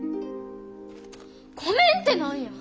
ごめんって何や！